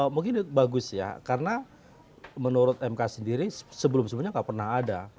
mungkin bagus ya karena menurut mk sendiri sebelum sebelumnya nggak pernah ada